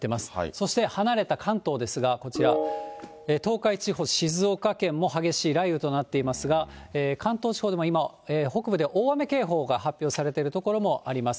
そして離れた関東ですが、こちら、東海地方、静岡県も激しい雷雨となっていますが、関東地方にも今、北部で大雨警報が発表されている所もあります。